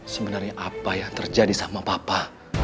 sebenarnya apa yang terjadi sama papa